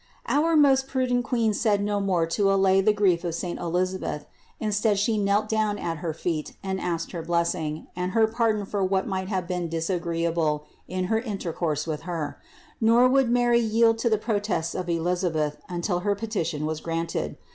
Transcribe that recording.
Our most prudent Queen said no more to allay the grief of saint Elisabeth ; instead She knelt down at her feet and asked her blessing, and her pardon for what might have been disagreeable in her intercourse with her; nor would Mary yield to the protests of Elisa beth until her petition was granted.